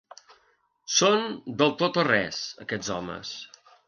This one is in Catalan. Són del tot o res, aquests homes.